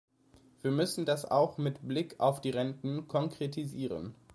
Wir müssen das auch mit Blick auf die Renten konkretisieren.